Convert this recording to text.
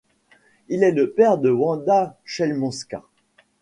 Il est le père de Wanda Chełmońska.